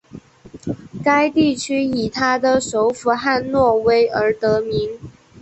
该地区以它的首府汉诺威而得名。